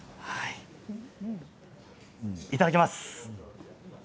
いただきます。